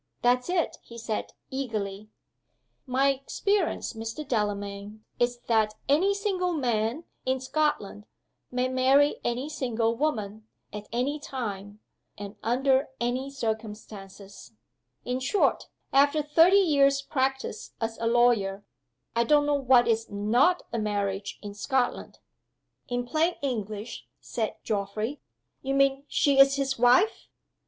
"That's it!" he said, eagerly. "My experience, Mr. Delamayn, is that any single man, in Scotland, may marry any single woman, at any time, and under any circumstances. In short, after thirty years' practice as a lawyer, I don't know what is not a marriage in Scotland." "In plain English," said Geoffrey, "you mean she's his wife?"